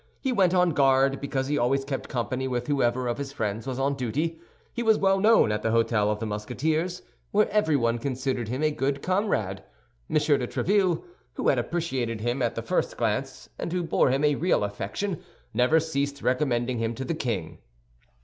He went on guard because he always kept company with whoever of his friends was on duty. He was well known at the Hôtel of the Musketeers, where everyone considered him a good comrade. M. de Tréville, who had appreciated him at the first glance and who bore him a real affection, never ceased recommending him to the king.